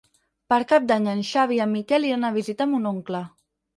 Per Cap d'Any en Xavi i en Miquel iran a visitar mon oncle.